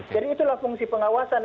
jadi itulah fungsi pengawasan